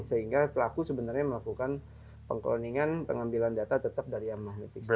sehingga pelaku sebenarnya melakukan pengkloningan pengambilan data tetap dari magnetic strip